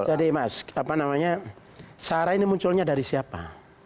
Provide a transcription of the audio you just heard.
jadi mas sara ini munculnya dari siapa